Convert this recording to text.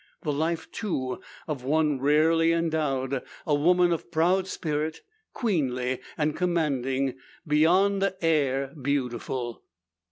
The life, too, of one rarely endowed; a woman of proud spirit, queenly and commanding, beyond air beautiful.